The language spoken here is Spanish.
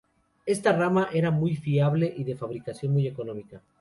Esta arma era muy fiable y de fabricación muy económica.